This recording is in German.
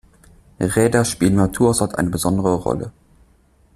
Redder spielen im Naturhaushalt eine besondere Rolle.